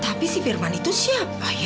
tapi si firman itu siapa ya